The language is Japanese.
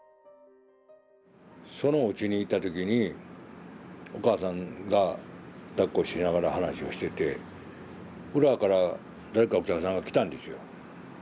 そのおうちに行った時にお母さんがだっこしながら話をしてて裏から誰かお客さんが来たんですよ。